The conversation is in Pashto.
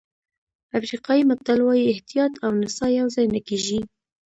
افریقایي متل وایي احتیاط او نڅا یوځای نه کېږي.